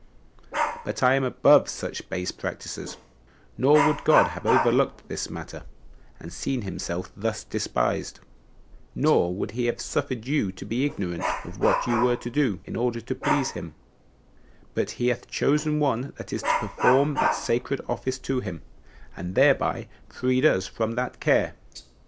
But I am above such base practices: nor would God have overlooked this matter, and seen himself thus despised; nor would he have suffered you to be ignorant of what you were to do, in order to please him; but he hath himself chosen one that is to perform that sacred office to him, and thereby freed us from that care.